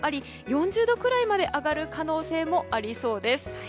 ４０度ぐらいまで上がる可能性のあるところもありそうです。